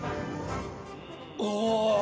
お。